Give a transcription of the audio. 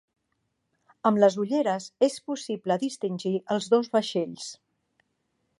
Amb les ulleres és possible distingir els dos vaixells.